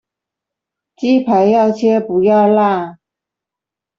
雞排要切不要辣